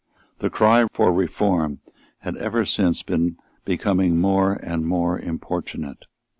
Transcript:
The cry for reform had ever since been becoming more and more importunate.